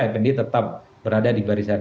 fnd tetap berada di barisan